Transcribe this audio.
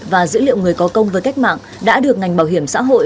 và dữ liệu người có công với cách mạng đã được ngành bảo hiểm xã hội